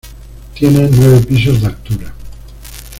Tiene nueve pisos de altura.